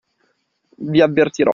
Vi avvertirò.